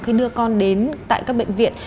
khi đưa con đến tại các bệnh viện